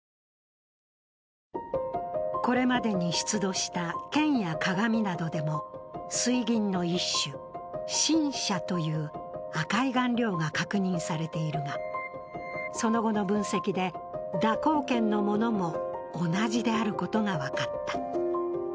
これまでに出土した剣や鏡などでも、水銀の一種、辰砂という赤い顔料が確認されているがその後の分析で蛇行剣のものも同じであることが分かった。